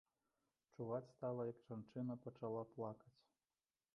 Чуваць стала, як жанчына пачала плакаць.